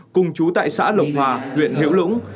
cùng chú tại xã lộc hòa huyện hiểu lũng